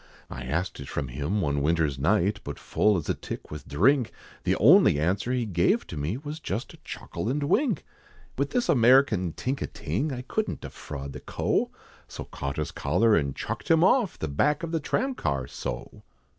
I asked it from him one winter's night, But full as a tick with drink, The only answer he gave to me, Was just a chuckle and wink. With this American tink a ting, I couldn't defraud the Co., So caught his collar, and chucked him off The back of the tram car, so.